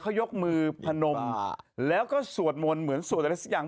เขายกมือพนมแล้วก็สวดมนต์เหมือนสวดอะไรสักอย่าง